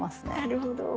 なるほど。